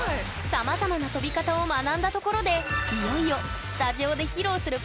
さまざまな跳び方を学んだところでいよいよスタジオで俺この間ねお。